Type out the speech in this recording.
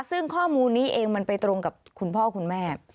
ซึ่งข้อมูลนี้เองมันไปตรงกับคุณพ่อคุณแม่